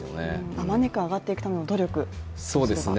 あまねく上がっていくための努力というのは。